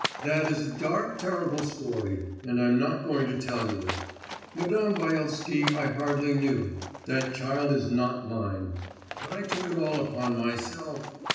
That is a dark terrible story, and I'm not going to tell you it. Madame Byelsky I hardly knew, that child is not mine, but I took it all upon myself